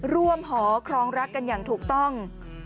หอครองรักกันอย่างถูกต้อง